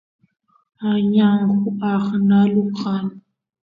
añangu aqnalu kan